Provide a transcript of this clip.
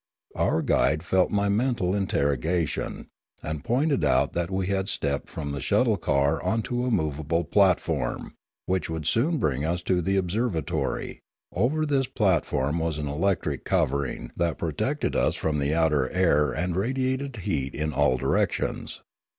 Our guide felt my mental interrogation, and pointed out that we had stepped from the shuttle car on to a movable platform, which would soon bring us to the observatory; over this platform was an electric covering, that protected us from the outer air and radiated heat in all direc tions.